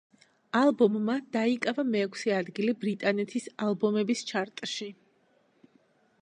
ალბომმა დაიკავა მეექვსე ადგილი ბრიტანეთის ალბომების ჩარტში.